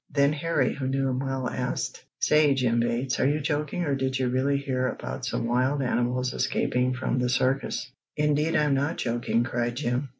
Then Harry, who knew him well, asked: "Say, Jim Bates, are you joking or did you really hear about some wild animals escaping from the circus?" "Indeed I'm not joking!" cried Jim.